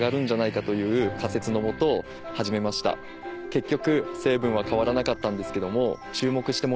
結局。